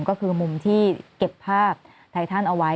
ก็คือมุมที่เก็บภาพไททันเอาไว้